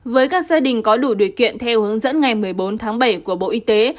với các gia đình có đủ điều kiện theo hướng dẫn ngày một mươi bốn tháng bảy của bộ y tế